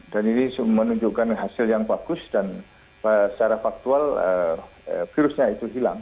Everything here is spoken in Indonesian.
dan ini menunjukkan hasil yang bagus dan secara faktual virusnya itu hilang